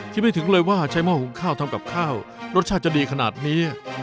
ไม่ถึงเลยว่าใช้หม้อหุงข้าวทำกับข้าวรสชาติจะดีขนาดนี้